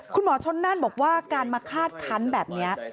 คุณหมอชนนั่นบอกว่าการมาคาดคันแบบนี้